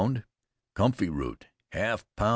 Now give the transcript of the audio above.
comfrey root, half lb.